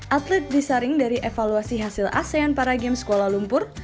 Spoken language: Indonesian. atlet disaring dari evaluasi hasil asean para games kuala lumpur